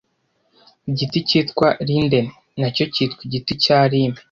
Igiti cyitwa linden nacyo cyitwa igiti cya Lime